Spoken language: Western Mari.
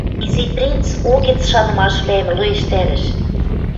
Изи принц угӹц шанымашвлӓэм лоэштӓрӹш: